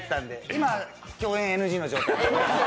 今、共演ＮＧの状態です。